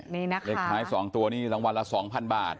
นี่เล็กท้าย๒ตัวนี่รางวัลละ๒๐๐๐บาท